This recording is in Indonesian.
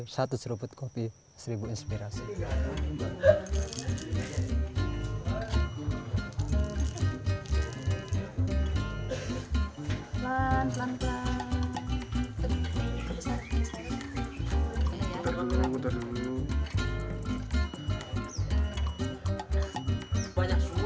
satu seruput kopi seribu inspirasi